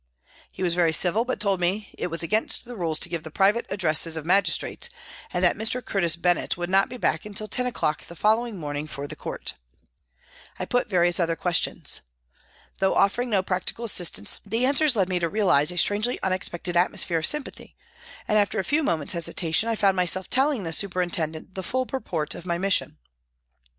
He was very civil, but told me it was against the rules to give the private addresses of magistrates and that Mr. Curtis Bennett would not be back until ten o'clock the following morning for the Court. I put various other ques tions. Though offering no practical assistance the answers led me to realise a strangely unexpected atmosphere of sympathy, and after a few moments hesitation I found myself telling this superintendent the full purport of my mission.